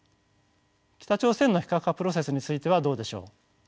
北朝鮮の非核化プロセスについてはどうでしょう。